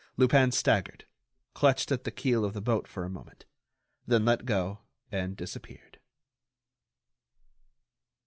Lupin staggered, clutched at the keel of the boat for a moment, then let go and disappeared.